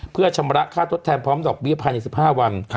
เพื่อชำระค่าทดแทนพร้อมดอกเบี้ยภายใน๑๕วัน